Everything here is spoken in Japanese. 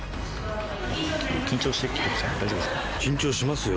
緊張しますよ。